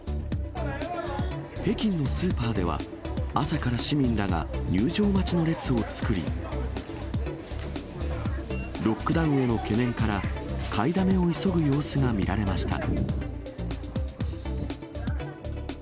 北京のスーパーでは、朝から市民らが、入場待ちの列を作り、ロックダウンへの懸念から、買いだめを急ぐ様子が見られました。